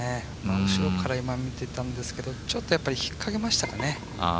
後ろから見ていたんですが、ちょっと引っかけましたかね。